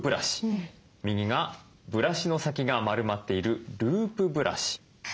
右がブラシの先が丸まっているループブラシ。